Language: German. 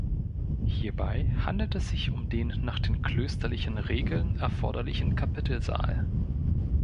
Hierbei handelt es sich um den nach den klösterlichen Regeln erforderlichen Kapitelsaal.